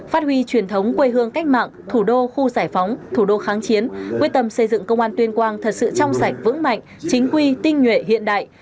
phát huy truyền thống quê hương cách mạng thủ đô khu giải phóng thủ đô kháng chiến quyết tâm xây dựng công an tuyên quang thật sự trong sạch vững mạnh chính quy tinh nhuệ hiện đại